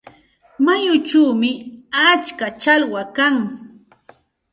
Mayuchawmi atska challwa kan.